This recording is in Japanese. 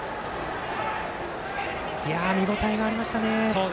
見応えがありましたね。